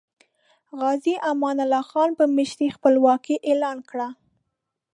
غازی امان الله خان په مشرۍ خپلواکي اعلان کړه.